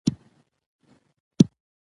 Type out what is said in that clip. د افغانستان په منظره کې طبیعي زیرمې ښکاره ده.